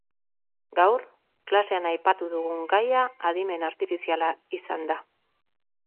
Gaur, klasean aipatu dugun gaia adimen artifiziala izan da.